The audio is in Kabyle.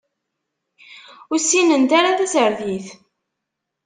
Ur ssinent ara tasertit.